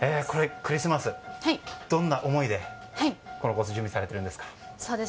クリスマス、どんな思いでこのコースを準備されてるんですか？